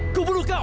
aku bunuh kau